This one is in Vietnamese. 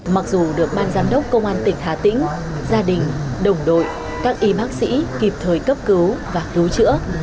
mặc dù được ban giám đốc công an tỉnh hà tĩnh gia đình đồng đội các y bác sĩ kịp thời cấp cứu và cứu chữa